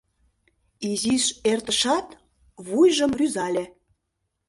Изиш эртышат, вуйжым рӱзале: